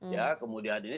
ya kemudian ini